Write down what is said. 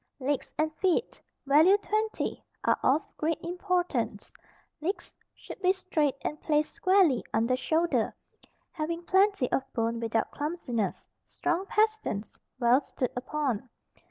Legs and feet (value 20) are of great importance. Legs should be straight and placed squarely under shoulder, having plenty of bone without clumsiness, strong pasterns well stood upon.